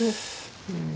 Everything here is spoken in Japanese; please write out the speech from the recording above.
うん。